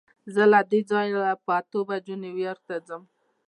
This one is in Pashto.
زه له دې ځایه پر اتو بجو نیویارک ته ځم.